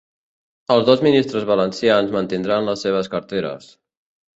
Els dos ministres valencians mantindran les seves carteres.